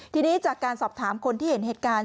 ทีนี้จากการสอบถามคนที่เห็นเหตุการณ์